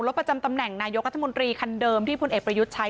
ประจำตำแหน่งนายกรัฐมนตรีคันเดิมที่พลเอกประยุทธ์ใช้